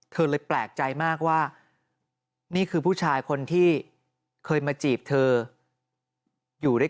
เธอเลยแปลกใจมากว่านี่คือผู้ชายคนที่เคยมาจีบเธออยู่ด้วยกัน